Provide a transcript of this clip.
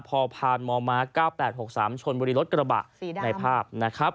พอผ่านมม๙๘๖๓ชนบริรถกระบะในภาพ